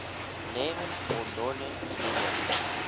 Левин у Долли в деревне.